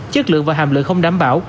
chất lượng và hàm lượng không đảm bảo